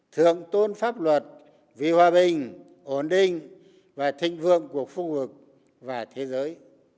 thượng tôn pháp luật vì hòa bình ổn định và thịnh vượng của khu vực và thế giới